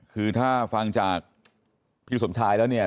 คือถ้าฟังจากพี่สมชายแล้วเนี่ย